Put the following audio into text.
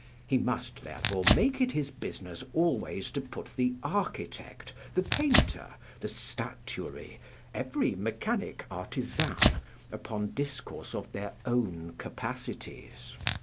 He must, therefore, make it his business always to put the architect, the painter, the statuary, every mechanic artisan, upon discourse of their own capacities.